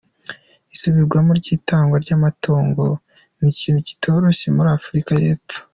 Isubirwamwo ry’itangwa ry’amatongo n’ikintu kitoroshe muri Afrika y’epfo.